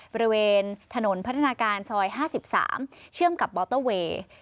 บริเวณถนนพัฒนาการซอย๕๓เชื่อมกับมอเตอร์เวย์